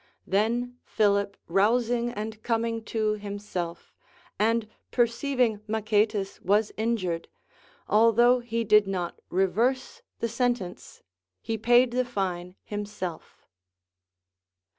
Then Philip rousing and coming to him self, and perceiving Machaetas Avas injured, although he did not reverse the sentence, he paid the fine himself.